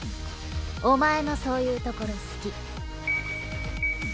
「お前のそういうところ好き」「」